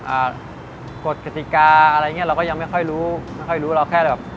อ่าคติการัรอะไรเงี้ยเราก็ยังไม่ค่อยรู้ไม่ค่อยรู้เราแค่แบบ